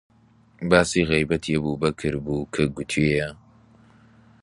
باسی غەیبەتی ئەبووبەکر بوو کە گوتوویە: